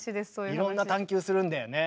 いろんな探究するんだよね？